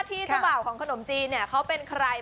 ที่จบ่าวของขนมจีนเป็นใคร